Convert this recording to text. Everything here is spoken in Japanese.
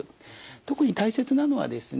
特に大切なのはですね